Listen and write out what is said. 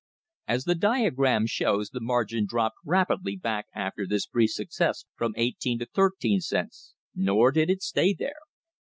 [I 9 8] THE PRICE OF OIL As the diagram shows, the margin dropped rapidly back after this brief success from eighteen to thirteen cents, nor did it stay there.